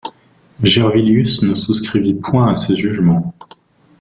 Gervilius ne souscrivit point à ce jugement.